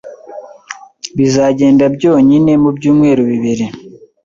Bizagenda byonyine mubyumweru bibiri.